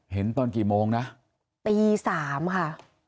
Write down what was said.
เห็นตอนกี่โมงนะตี๓ค่ะ